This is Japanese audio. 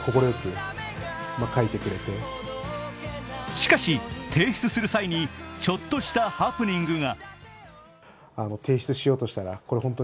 しかし、提出する際にちょっとしたハプニングが。